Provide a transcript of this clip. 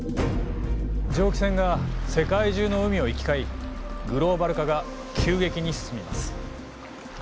蒸気船が世界中の海を行き交いグローバル化が急激に進みます。